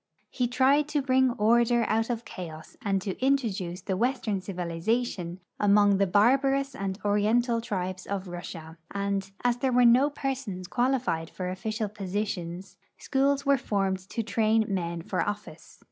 He tried to bring order out of chaos and to inti'oduce Avestern civilization among the barbarous and oriental tribes of Russia, and, as there Avere no persons qualified for official positions, schools Avere formed to train men for office.